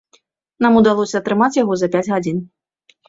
Нам удалося атрымаць яго за пяць гадзін.